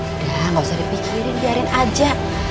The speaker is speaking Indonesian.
udah gak usah dipikirin biarin aja